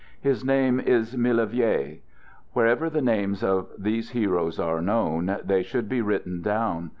His name is Milavieille. Wherever the names of these heroes are known, they should be written down.